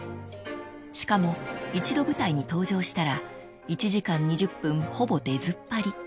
［しかも一度舞台に登場したら１時間２０分ほぼ出ずっぱり］